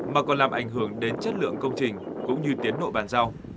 mà còn làm ảnh hưởng đến chất lượng công trình cũng như tiến nội bàn giao